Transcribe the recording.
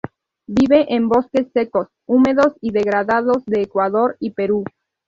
Vive en bosques secos, húmedos y degradados de Ecuador y Perú.